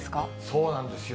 そうなんですよ。